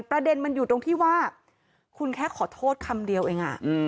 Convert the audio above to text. ประเด็นมันอยู่ตรงที่ว่าคุณแค่ขอโทษคำเดียวเอง